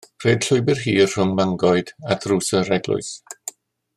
Rhed llwybr hir rhwng mangoed at ddrws yr eglwys.